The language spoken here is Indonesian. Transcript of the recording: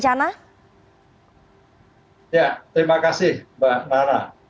ya terima kasih mbak nana